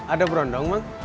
ada berondong mak